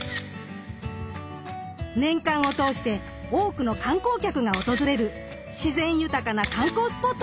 年間を通して多くの観光客が訪れる自然豊かな観光スポットです。